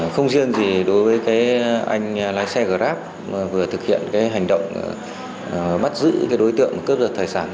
không riêng gì đối với anh lái xe grab vừa thực hiện hành động bắt giữ đối tượng cướp giật tài sản